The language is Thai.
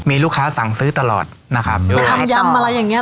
มีลูกค้าสั่งซื้อตลอดนะครับไปทำยำอะไรอย่างเงี้